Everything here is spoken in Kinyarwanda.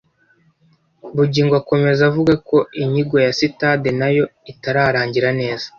Bugingo akomeza avuga ko inyigo ya sitade nayo itararangira neza